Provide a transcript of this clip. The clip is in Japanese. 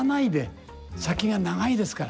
先が長いですから。